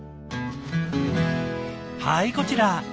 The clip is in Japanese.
はいこちら。